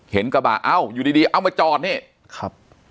กระบะเอ้าอยู่ดีเอามาจอดนี่ครับ